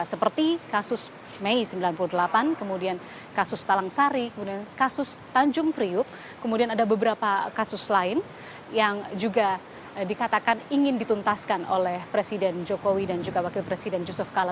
seperti kasus mei sembilan puluh delapan kemudian kasus talang sari kemudian kasus tanjung priuk kemudian ada beberapa kasus lain yang juga dikatakan ingin dituntaskan oleh presiden jokowi dan juga wakil presiden yusuf kala